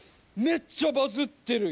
めっちゃバズってる。